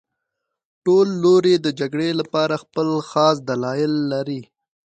ټول لوري د جګړې لپاره خپل خاص دلایل لري